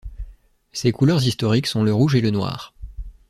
Ses couleurs historiques sont le rouge et le noir.